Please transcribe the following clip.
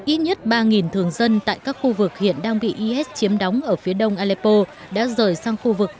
ít nhất ba thường dân tại các khu vực hiện đang bị is chiếm đóng ở phía đông aleppo đã rời sang khu vực